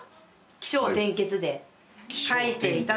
起承転結。